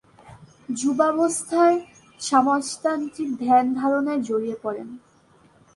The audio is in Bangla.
যুবাবস্থায় সমাজতান্ত্রিক ধ্যান-ধারণায় জড়িয়ে পড়েন।